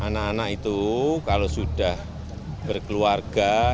jadi kalau ada apa yang nelawarnya